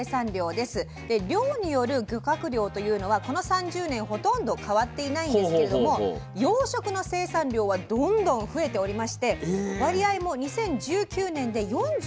で漁による漁獲量というのはこの３０年ほとんど変わっていないんですけれども養殖の生産量はどんどん増えておりまして割合も２０１９年で４５％まで増えています。